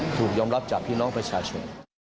ถูกยอมรับจากพี่น้องประชาชน